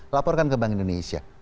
laporkan ke bank indonesia